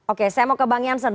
oke saya mau ke bang jansen